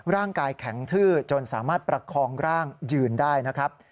ร่างกายแข็งทื้อจนสามารถประคองร่างยืนได้นะครับ